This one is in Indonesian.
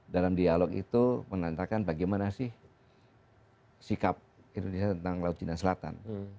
dalam dialog itu menanyakan bagaimana sih sikap indonesia tentang laut cina selatan